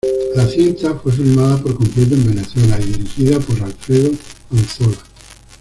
La cinta fue filmada por completo en Venezuela y dirigida por Alfredo Anzola.